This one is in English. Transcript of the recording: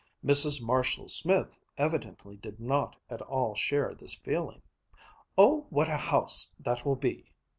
Mrs. Marshall Smith evidently did not at all share this feeling. "Oh, what a house that will be!"